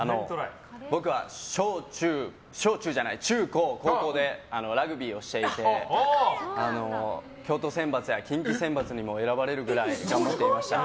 僕は中高でラグビーをしていて京都選抜や近畿選抜にも選ばれるくらいやっていました。